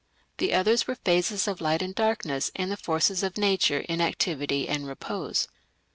The others were phases of light and darkness and the forces of nature in activity and repose.